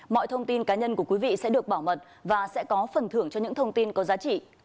mọi thông tin cá nhân của quý vị sẽ được bảo mật và sẽ có phần thưởng cho những thông tin có giá trị